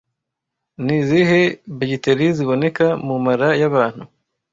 Ni izihe Bagiteri ziboneka mu mara y'abantu